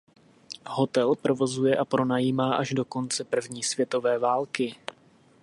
Hotel provozuje a pronajímá až do konce první světové války.